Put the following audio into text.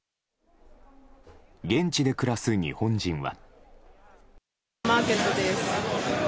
現地で暮らす日本人は。